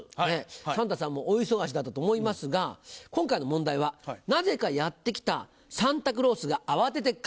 サンタさんも大忙しだったと思いますが今回の問題はなぜかやって来たサンタクロースが慌てて帰った。